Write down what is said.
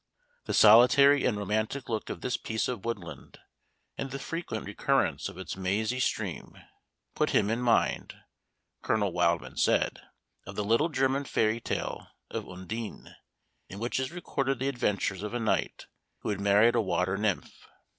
The solitary and romantic look of this piece of woodland, and the frequent recurrence of its mazy stream, put him in mind, Colonel Wildman said, of the little German fairy tale of Undine, in which is recorded the adventures of a knight who had married a water nymph.